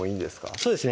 そうですね